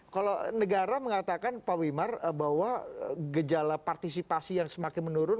kalau negara mengatakan pak wimar bahwa gejala partisipasi yang semakin menurun